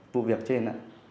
vụ việc trên